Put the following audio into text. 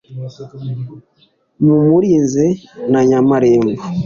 Mpumurize na Nyamarembo